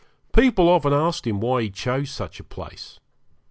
People often asked him why he chose such a place.